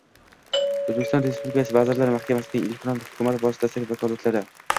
O‘zbekiston Respublikasi Vazirlar Mahkamasining elektron hukumat sohasidagi vakolatlari